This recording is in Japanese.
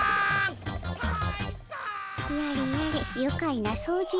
やれやれゆかいな掃除やじゃの。